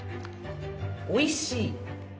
「おいしい」。